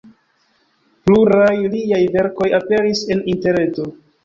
Pluraj liaj verkoj aperis en interreto.